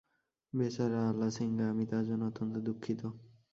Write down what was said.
বেচারা আলাসিঙ্গা! আমি তাহার জন্য অত্যন্ত দুঃখিত।